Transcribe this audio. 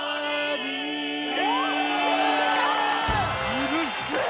うるせえ！